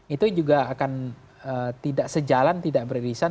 itu juga akan tidak sejalan tidak beririsan